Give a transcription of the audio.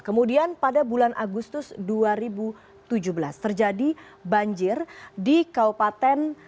kemudian pada bulan agustus dua ribu tujuh belas terjadi banjir di kabupaten